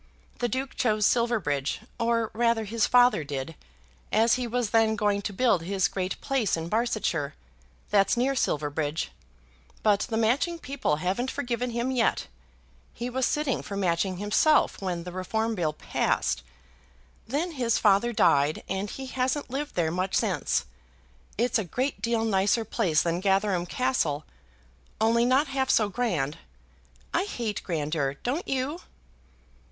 The Duke chose Silverbridge, or rather his father did, as he was then going to build his great place in Barsetshire; that's near Silverbridge. But the Matching people haven't forgiven him yet. He was sitting for Matching himself when the Reform Bill passed. Then his father died, and he hasn't lived there much since. It's a great deal nicer place than Gatherum Castle, only not half so grand. I hate grandeur; don't you?"